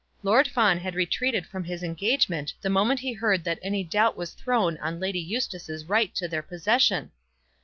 Lord Fawn had retreated from his engagement the moment he heard that any doubt was thrown on Lady Eustace's right to their possession!